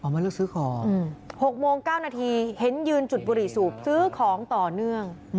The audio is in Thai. มาเลือกซื้อของ๖โมง๙นาทีเห็นยืนจุดบุหรี่สูบซื้อของต่อเนื่อง